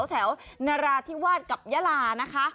แถวนราธิวาสกับยาลานะคะ